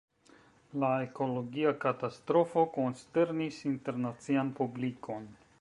La ekologia katastrofo konsternis internacian publikon.